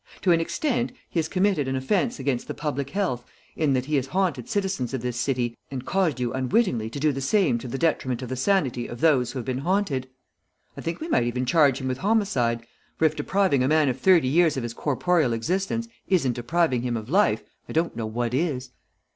To an extent he has committed an offence against the public health in that he has haunted citizens of this city and caused you unwittingly to do the same to the detriment of the sanity of those who have been haunted. I think we might even charge him with homicide, for if depriving a man of thirty years of his corporeal existence isn't depriving him of life, I don't know what is.